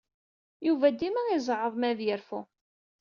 Yuba dima izeɛɛeḍ mi ad yerfu.